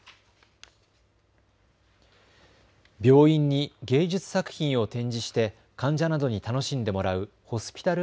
病院に芸術作品を展示して患者などに楽しんでもらうホスピタル